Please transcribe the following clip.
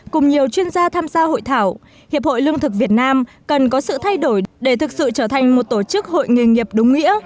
cùng nhiều chuyên gia tham gia hội thảo hiệp hội lương thực việt nam cần có sự thay đổi để thực sự trở thành một tổ chức hội nghề nghiệp đúng nghĩa